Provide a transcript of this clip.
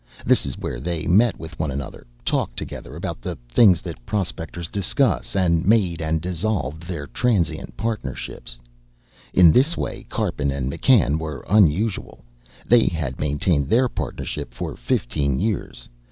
This is where they met with one another, talked together about the things that prospectors discuss, and made and dissolved their transient partnerships. In this way, Karpin and McCann were unusual. They had maintained their partnership for fifteen years.